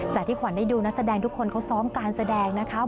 ที่ขวัญได้ดูนักแสดงทุกคนเขาซ้อมการแสดงนะคะ